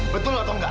betul lu atau nggak